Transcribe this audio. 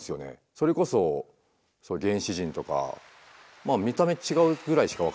それこそ原始人とか見た目違うくらいしか分かんないですけども